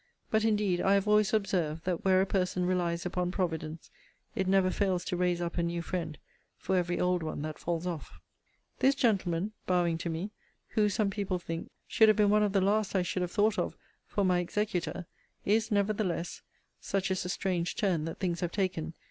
But indeed I have always observed, that where a person relies upon Providence, it never fails to raise up a new friend for every old one that falls off. This gentleman, [bowing to me,] who, some people think, should have been one of the last I should have thought of for my executor is, nevertheless, (such is the strange turn that things have taken!)